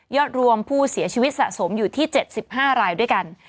อดรวมผู้เสียชีวิตสะสมอยู่ที่๗๕รายด้วยกัน